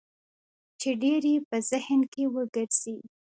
چې ډېر يې په ذهن کې ورګرځي.